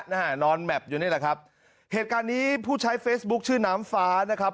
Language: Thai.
นอนแมพอยู่นี่แหละครับเหตุการณ์นี้ผู้ใช้เฟซบุ๊คชื่อน้ำฟ้านะครับ